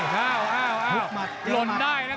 หล่นได้นะคะ